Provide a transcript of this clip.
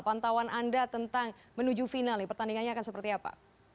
pantauan anda tentang menuju final nih pertandingannya akan seperti apa